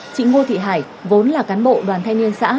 chị ngô thị hải vốn là cán bộ đoàn thanh niên xã